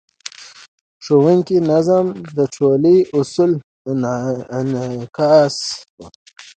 د ښوونځي نظم د ټولنې د اصولو انعکاس و.